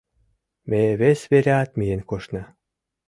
Ме вес вереат миен коштна.